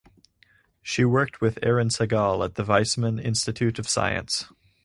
She worked with Eran Segal at the Weizmann Institute of Science.